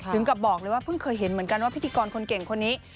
ถึงกับบอกเลยว่าเพิ่งเคยเห็นเหมือนกันว่าพิธีกรคนเก่งคนนี้